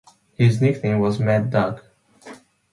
His nickname was Mad Dog.